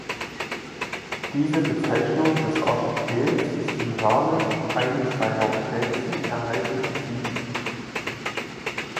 Diese Bezeichnung des Archipels ist im Namen eines seiner Felsen erhalten geblieben.